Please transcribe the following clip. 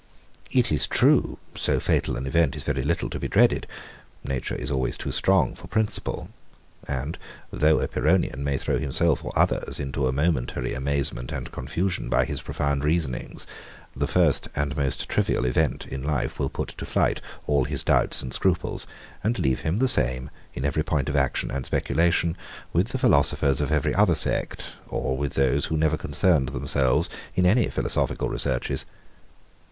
It is true; so fatal an event is very little to be dreaded. Nature is always too strong for principle. And though a Pyrrhonian may throw himself or others into a momentary amazement and confusion by his profound reasonings; the first and most trivial event in life will put to flight all his doubts and scruples, and leave him the same, in every point of action and speculation, with the philosophers of every other sect, or with those who never concerned themselves in any philosophical researches.